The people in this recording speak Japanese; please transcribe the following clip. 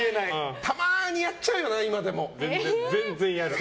たまにやっちゃうよな、今でも。